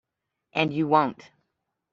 And you won’t.